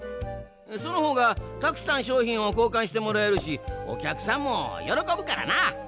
そのほうがたくさんしょうひんをこうかんしてもらえるしおきゃくさんもよろこぶからな。